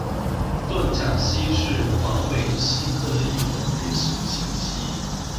盾甲蜥是环尾蜥科的一种日行性蜥蜴。